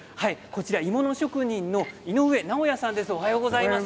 鋳物職人の井上直也さんです。